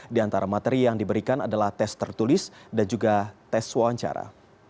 di antara materi yang diberikan adalah tes tertulis dan juga tes wawancara